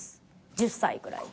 １０歳ぐらいで。